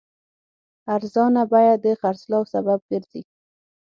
ارزانه بیه د خرڅلاو سبب ګرځي.